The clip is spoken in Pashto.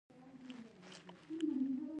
پلورنځي ته تلونکي باید د نرخونو جدول ته وګوري.